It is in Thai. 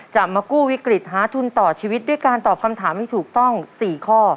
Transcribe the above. จะมากู้วิกฤตหาทุนต่อชีวิตด้วยการตอบคำถามให้ถูกต้อง๔ข้อ